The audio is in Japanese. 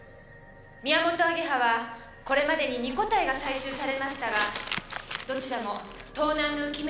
ミヤモトアゲハはこれまでに２個体が採集されましたがどちらも盗難の憂き目に遭いました。